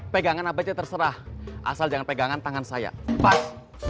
pegangan apa aja terserah asal jangan pegangan tangan saya empat